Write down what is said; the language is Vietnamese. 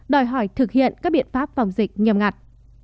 đòi hỏi thực hiện các biện pháp phòng dịch nghiêm ngặt